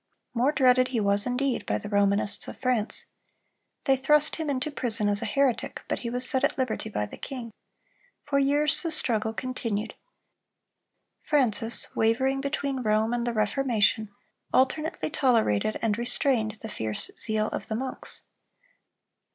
More dreaded he was indeed by the Romanists of France. They thrust him into prison as a heretic, but he was set at liberty by the king. For years the struggle continued. Francis, wavering between Rome and the Reformation, alternately tolerated and restrained the fierce zeal of the monks.